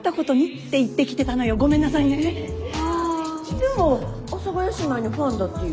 でも阿佐ヶ谷姉妹のファンだっていう。